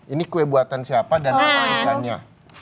ini kue buatan siapa dan apa warna warna nya